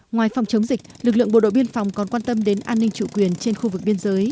ngoài phòng chống dịch lực lượng bộ đội biên phòng còn quan tâm đến an ninh chủ quyền trên khu vực biên giới